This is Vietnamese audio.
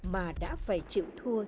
mà đã phải chịu thua